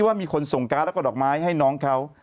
ว่ามีคนส่งการ์ดแล้วก็ดอกไม้ให้น้องเขา